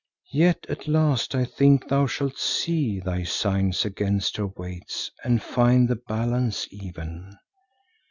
Yet at last I think thou shalt set thy sins against her weights and find the balance even.